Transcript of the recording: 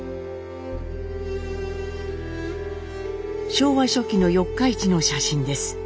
昭和初期の四日市の写真です。